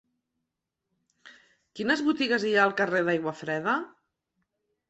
Quines botigues hi ha al carrer d'Aiguafreda?